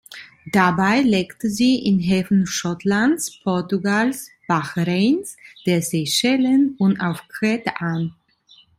Dabei legte sie in Häfen Schottlands, Portugals, Bahrains, der Seychellen und auf Kreta an.